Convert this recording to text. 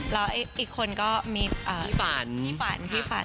แล้วอีกคนก็มีพี่ฟาน